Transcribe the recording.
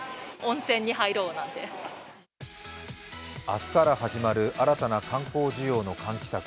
明日から始まる新たな観光需要の喚起策